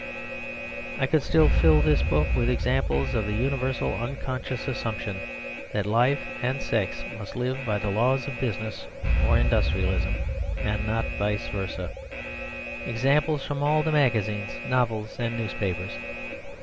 I could fill this book with examples of the universal, unconscious assumption that life and sex must live by the laws of "business" or industrialism, and not vice versa; examples from all the magazines, novels, and newspapers.